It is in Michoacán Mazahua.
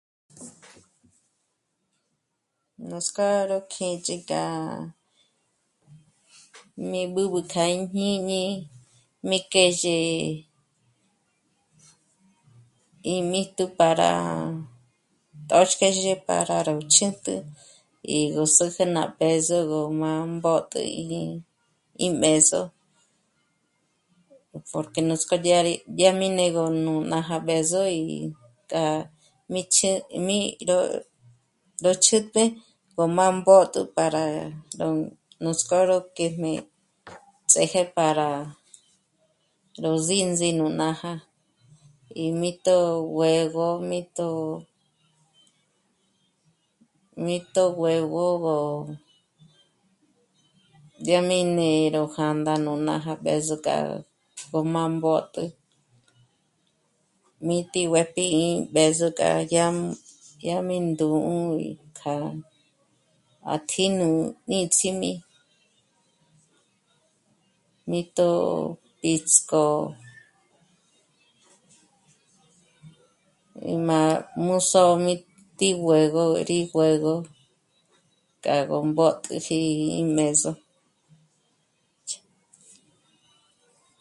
Nuts'k'ó ró kjích'i k'a mí b'ǚb'ü kja í jñíñi mí kjèzhe é míjtu para tö̌xkjèzhe para ró chjǘtjü, e gú sä̌jä ná b'ë̌zo gó má mbót'ü rí... ím b'ë̌zo porque nuts'k'ó dyá rí, dyá rí né'egö nújnája b'ë̌zo í k'a mí chjǘ..., mí ró..., ró chjǘtjü k'o má mbǒtjü para ró nuts'k'ó ró kë́jmé ts'ë́je pa ró ndzíndzi nú nája í mí'tjo guë̌go mí'tjo, mí'tjo guë̌gogö, dyá mí né'e ró jā̂ndā nú nája b'ë̌zo k'a gó má mbǒt'ü, mí tí'i guë̌'ë pì'i ím b'ë̌zo k'a yá, yá mí ndú'u k'a à tjí'i... nú níts'im'i, mí tò'o píts'k'o í má mús'ô'o mí tí guë̌go, rí guë̌go k'a gú mbǒt'üji í m'ë̌zo